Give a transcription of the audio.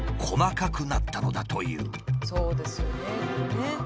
細かくなったのだという。